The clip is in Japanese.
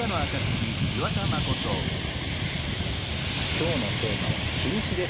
今日のテーマは近視です。